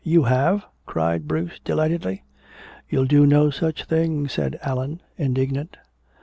"You have?" cried Bruce delightedly. "You'll do no such thing," said Allan, indignant.